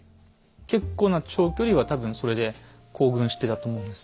結構な長距離は多分それで行軍してたと思うんですね。